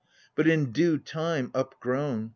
But in due time upgrown.